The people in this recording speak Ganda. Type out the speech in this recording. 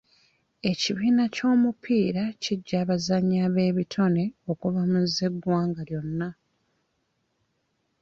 Ekibiina ky'omupiira kiggya abazannyi ab'ebitone okuva mu z'eggwanga lyonna.